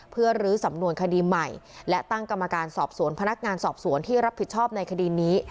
เพื่อลื้อสำนวนคดีใหม่และตั้งกรรมการสอบสวนพนักงานสอบสวนที่รับผิดชอบในคดีนี้